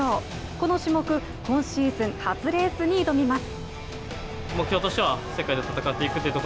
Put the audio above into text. この種目、今シーズン初レースに挑みます。